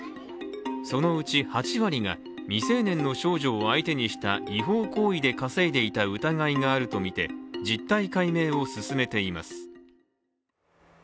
そのうち８割が未成年の少女を相手にした違法行為で稼いでいた疑いがあるとみて実態解明を進めています。